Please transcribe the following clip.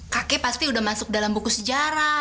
kakek pasti udah masuk dalam buku sejarah